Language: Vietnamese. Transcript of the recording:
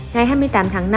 ngày hai mươi tám tháng năm